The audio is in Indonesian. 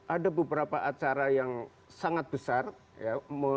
ada beberapa acara yang sangat besar ya